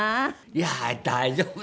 いやあ大丈夫。